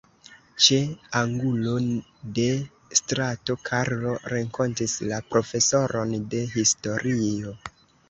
Ĉe angulo de strato Karlo renkontis la profesoron de historio.